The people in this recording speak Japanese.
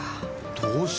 どうして？